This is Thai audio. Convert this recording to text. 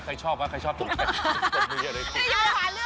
ใครชอบหาเลือกของตัวเนี่ย